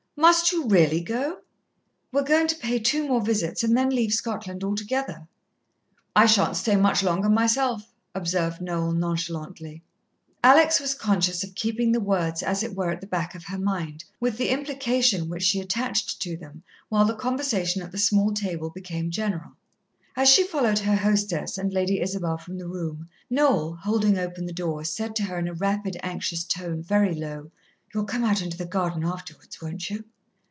Must you really go?" "We're going to pay two more visits and then leave Scotland altogether." "I shan't stay much longer myself," observed Noel nonchalantly. Alex was conscious of keeping the words as it were at the back of her mind, with the implication which she attached to them, while the conversation at the small table became general. As she followed her hostess and Lady Isabel from the room, Noel, holding open the door, said to her in a rapid, anxious tone, very low: "You'll come out into the garden afterwards, won't you?"